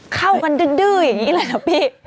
เข้ากันดื้ออย่างนี้เลยนะพี่